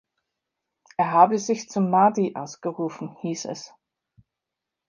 Er habe sich zum Mahdi ausgerufen, hieß es.